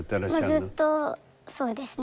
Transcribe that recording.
もうずっとそうですね。